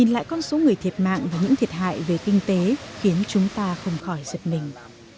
lại con số người thiệt mạng và những thiệt hại về kinh tế khiến chúng ta không khỏi giật mình